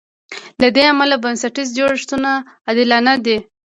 له دې امله بنسټیز جوړښتونه عادلانه دي.